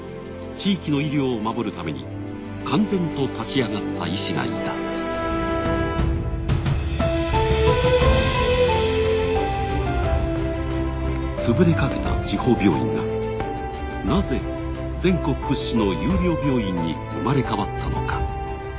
地域の医療を守るために敢然と立ち上がった医師がいた潰れかけた地方病院がなぜ全国屈指の優良病院に生まれ変わったのか？